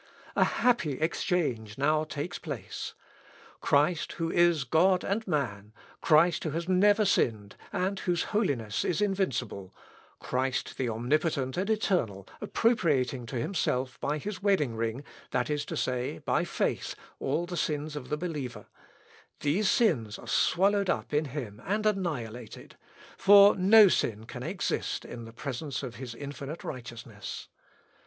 A happy exchange now takes place. Christ who is God and man, Christ who has never sinned, and whose holiness is invincible, Christ, the Omnipotent and Eternal, appropriating to himself by his wedding ring that is to say, by faith, all the sins of the believer; these sins are swallowed up in him and annihilated; for no sin can exist in presence of his infinite righteousness.